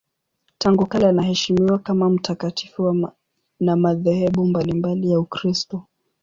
Tangu kale anaheshimiwa kama mtakatifu na madhehebu mbalimbali ya Ukristo.